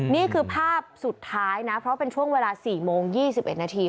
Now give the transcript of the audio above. นี่คือภาพสุดท้ายนะเพราะเป็นช่วงเวลา๔โมง๒๑นาที